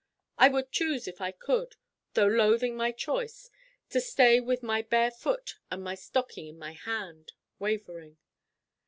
I would choose if I could though loathing my choice to stay with my bare foot and my stocking in my hand, Wavering.